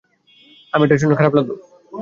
আমি এটা শুনে খারাপ লাগলো।